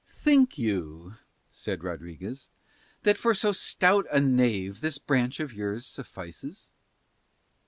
"Think you," said Rodriguez, "that for so stout a knave this branch of yours suffices?"